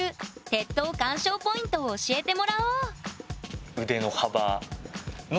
鉄塔観賞ポイントを教えてもらおう！